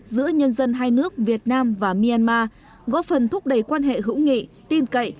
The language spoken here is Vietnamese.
giữa nhân dân hai nước việt nam và myanmar góp phần thúc đẩy quan hệ hữu nghị tin cậy